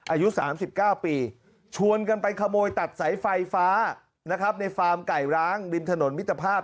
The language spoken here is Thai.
อายุ๓๙ปีชวนกันไปขโมยตัดสายไฟฟ้านะครับในฟาร์มไก่ร้างริมถนนมิตรภาพ